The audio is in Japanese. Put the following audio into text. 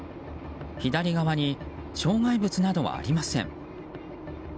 左側に障害物などはありません。